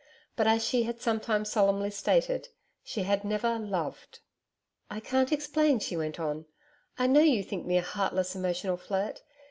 But, as she had sometimes solemnly stated, she had never 'loved.' 'I can't explain,' she went on. 'I know you think me a heartless, emotional flirt.